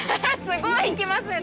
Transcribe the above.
すごい行きますね